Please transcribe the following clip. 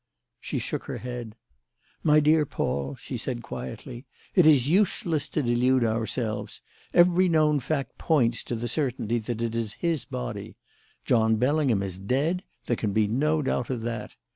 She shook her head. "My dear Paul," she said quietly, "it is useless to delude ourselves. Every known fact points to the certainty that it is his body. John Bellingham is dead: there can be no doubt of that.